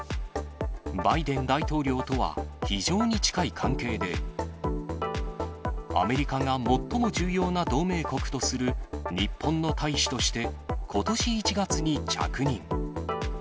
バイデン大統領とは非常に近い関係で、アメリカが最も重要な同盟国とする日本の大使として、ことし１月に着任。